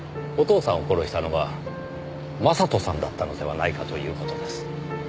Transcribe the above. お父さんを殺したのは将人さんだったのではないかという事です。